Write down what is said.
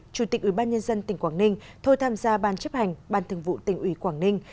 chủ tịch ủy ban nhân dân tỉnh quảng ninh thôi tham gia ban chấp hành ban thường vụ tỉnh ủy quảng ninh